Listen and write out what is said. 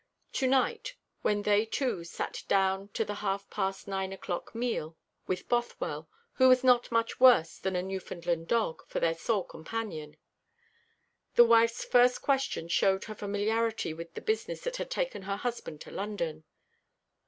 To night, when they two sat down to the half past, nine o'clock meal, with Bothwell, who was not much worse than a Newfoundland dog, for their sole companion, the wife's first question showed her familiarity with the business that had taken her husband to London.